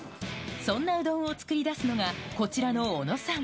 そんなうどんを作り出すのが、こちらの小野さん。